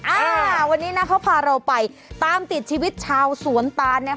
อ่าวันนี้นะเขาพาเราไปตามติดชีวิตชาวสวนตานนะคะ